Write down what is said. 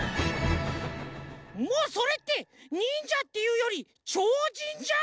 もうそれってにんじゃっていうよりちょうじんじゃん！